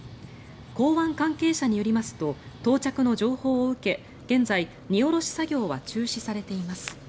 港湾関係者によりますと到着の情報を受け現在、荷下ろし作業は中止されています。